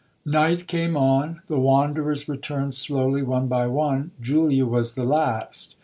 'Night came on,—the wanderers returned slowly one by one,—Julia was the last.